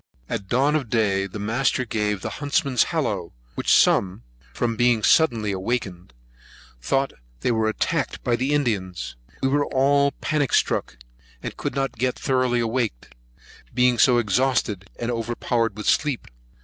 At dawn of day, the master gave the huntsman's hollow, which some, from being suddenly awaked, thought they were attacked by the Indians. We were all panic struck, and could not get thoroughly awaked, being so exhausted, and overpowered with sleep.